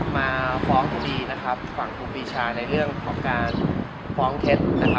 มาฟ้องดีนะครับฝั่งภูบิชาในเรื่องของการฟ้องเท็จ